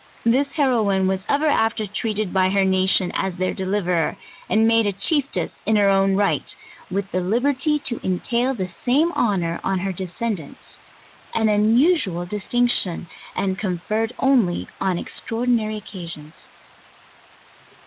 This heroine was ev er after treated by her nation as their deliverer, and made a chieftess in her own right, with the liberty to entail the same honour on her descendants; an unusual distinction, and con ferred only on extraordinary occasions.